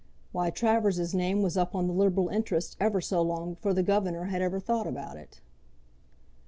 Why, Travers's name was up on the liberal interest ever so long before the governor had ever thought about it."